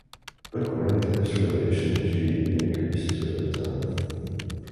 According to this relation, "G" increases over time.